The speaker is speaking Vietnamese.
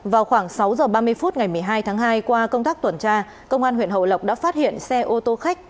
vào khoảng sáu h ba mươi phút ngày một mươi hai tháng hai qua công tác tuần tra công an huyện hậu lộc đã phát hiện xe ô tô khách